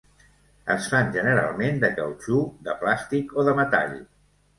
Es fan generalment de cautxú, de plàstic o de metall.